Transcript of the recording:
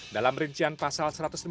dalam rincian pasal satu ratus lima puluh